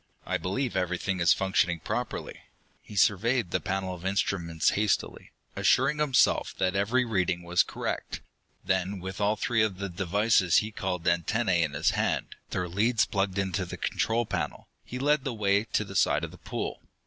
I believe everything is functioning properly." He surveyed the panel of instruments hastily, assuring himself that every reading was correct. Then, with all three of the devices he called antennae in his hand, their leads plugged into the control panel, he led the way to the side of the pool.